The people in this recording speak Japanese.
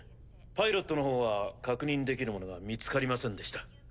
パイロットの方は確認できるものが見つかりませんでした。